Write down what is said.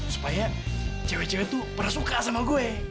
supaya cewek cewek itu pernah suka sama gue